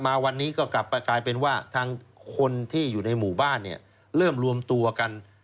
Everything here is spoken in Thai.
มาวันนี้กลายเป็นว่าทั้งคนที่อยู่ในหมู่บ้านเริ่มรวมตัวกัน